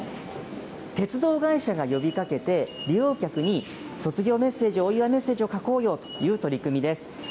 鉄道会社が呼びかけて、利用客に卒業メッセージ、お祝いメッセージを書こうよという取り組みです。